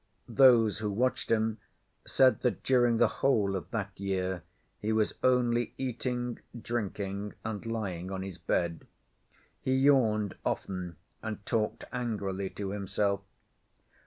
Those who watched him said that during the whole of that year he was only eating, drinking, and lying on his bed. He yawned often and talked angrily to himself.